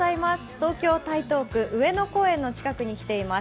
東京・台東区上野公園の近くに来ています。